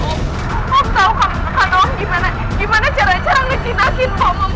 om tahu kan om gimana gimana cara cara ngecinakin om om